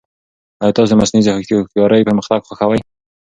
ایا تاسو د مصنوعي هوښیارۍ پرمختګ خوښوي؟